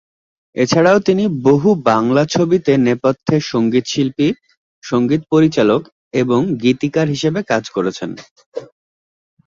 এছাড়াও তিনি বহু বাংলা ছবি-তে নেপথ্য সঙ্গীতশিল্পী, সঙ্গীত পরিচালক এবং গীতিকার হিসেবে কাজ করেছেন।